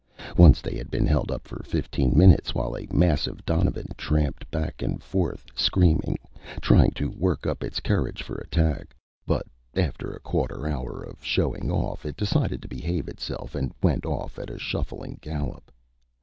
Once they had been held up for fifteen minutes while a massive donovan tramped back and forth, screaming, trying to work up its courage for attack. But after a quarter hour of showing off, it decided to behave itself and went off at a shuffling gallop.